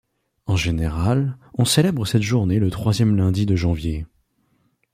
En général, on célèbre cette journée le troisième lundi de janvier.